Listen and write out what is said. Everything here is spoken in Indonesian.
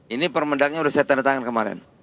ini permendaknya sudah saya tanda tangan kemarin